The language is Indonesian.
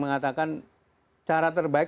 mengatakan cara terbaik